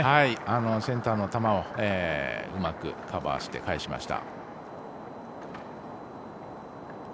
センターの球をうまくカバーして返しました。